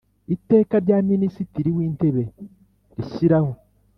Iteka rya Minisitiri w Intebe rishyiraho